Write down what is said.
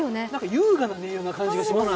優雅な音色な感じがしますね。